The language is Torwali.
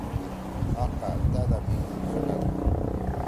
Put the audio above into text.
”اقا! تأ دا مھی اُو خٹا کی“۔